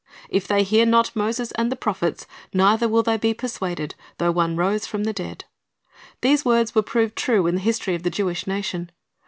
"If they hear not Moses and the prophets, neither will they be persuaded, though one rose from the dead." These words were proved true in the history of the Jewish nation.